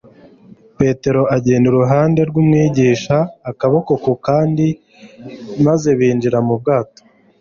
Petero agenda iruhande rw'Umwigisha akaboko ku kandi maze binjira mu bwato.